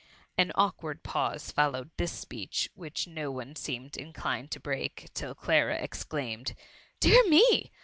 An awkward pause followed this speech which no one seemed inclined to break, till Clara exclaimed, " Dear me